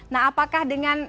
nah apakah dengan